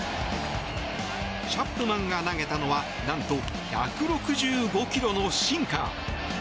チャプマンが投げたのは何と１６５キロのシンカー。